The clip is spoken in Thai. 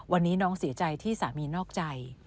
วันนี้น้องเสียใจที่สามีนอกใจ